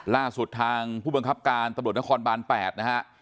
ล่าสุดทางผู้บังคับการตำรวจนครบาน๘นะฮะ